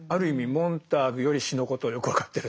モンターグより詩のことをよく分かってる。